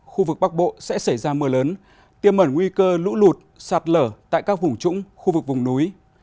khu vực bắc bộ sẽ xảy ra mưa lớn tiêm mẩn nguy cơ lũ lụt sạt lở tại các vùng trũng khu vực vùng núi